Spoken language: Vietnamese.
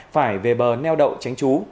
phải về bờ neo đậu tránh chú